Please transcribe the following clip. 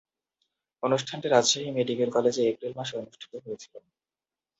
অনুষ্ঠানটি রাজশাহী মেডিকেল কলেজে এপ্রিল মাসে অনুষ্ঠিত হয়েছিলো।